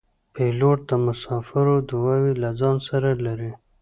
پیلوټ د مسافرو دعاوې له ځان سره لري.